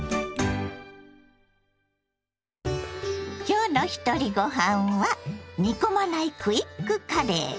今日の「ひとりごはん」は煮込まないクイックカレー。